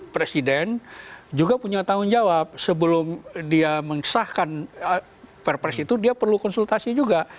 presiden juga punya tanggung jawab sebelum dia mengesahkan perpres itu dia perlu konsultasi juga